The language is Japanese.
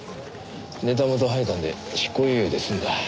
ネタ元吐いたんで執行猶予で済んだ。